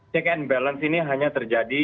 check and balance ini hanya terjadi